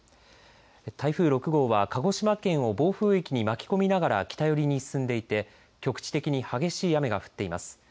台風６号は鹿児島県を暴風域に巻き込みながら北寄りに進んでいて局地的に激しい雨が降っています。